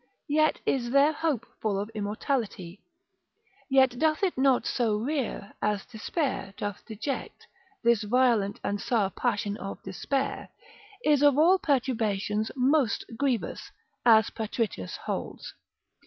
yet is their hope full of immortality: yet doth it not so rear, as despair doth deject; this violent and sour passion of despair, is of all perturbations most grievous, as Patritius holds.